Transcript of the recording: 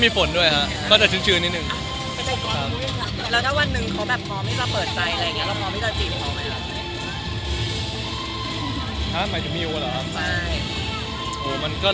มันก็หลายปัจจัยผมก็ไม่รู้ครับ